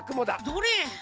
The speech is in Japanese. どれ？